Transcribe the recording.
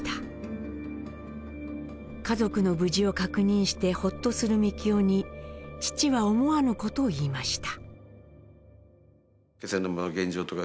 家族の無事を確認してホッとするみきおに父は思わぬ事を言いました。